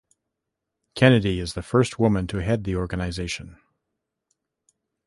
Kennedy is the first woman to head the organization.